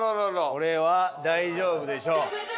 これは大丈夫でしょう。